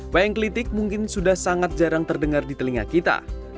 wayang klitik mungkin sudah sangat jarang terdengar di telinga kita